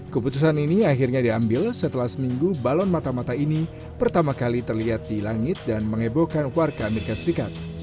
keputusan ini akhirnya diambil setelah seminggu balon mata mata ini pertama kali terlihat di langit dan mengebohkan warga amerika serikat